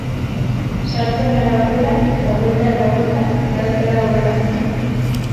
Sartzen gara barrura eta buelta eta buelta eta ez gara aurrera joaten.